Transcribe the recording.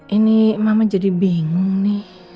ini mama jadi bingung nih